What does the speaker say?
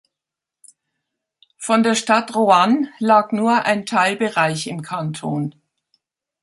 Von der Stadt Roanne lag nur ein Teilbereich im Kanton.